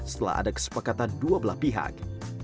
setelah ada kesepakatan dua belah pihak